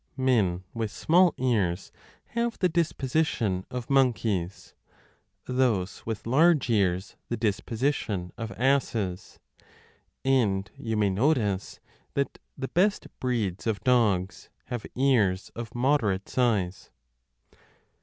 Men with small ears have the disposition of monkeys, those with large ears the disposition of asses, and you may 10 notice that the best breeds of dogs have ears of moderate size.